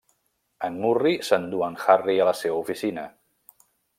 En Murri s'endú en Harry a la seva oficina.